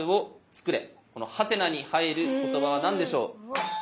このハテナに入る言葉は何でしょう？